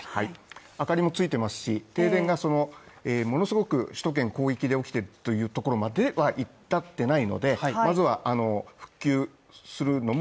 明かりもついていますし、停電もものすごく首都圏広域で起きているというところには至ってないので、まずは復旧するのも